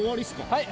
はい。